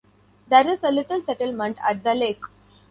There is a little settlement at the lake.